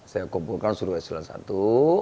saya kumpulkan suruh esulah satu